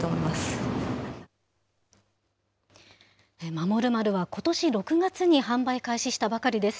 まもるまるはことし６月に販売開始したばかりです。